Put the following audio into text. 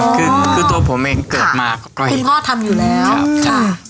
คือคือตัวผมเองเกิดมาคุณพ่อทำอยู่แล้วครับใช่